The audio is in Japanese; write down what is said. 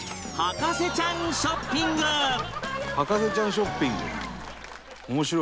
博士ちゃんショッピング？